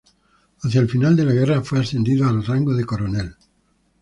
Hacia el final de la guerra fue ascendido al rango de coronel.